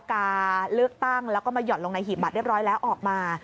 การเลือกตั้งแล้วก็มาหย่อนลงในหีบบัตรเรียบร้อยแล้วออกมา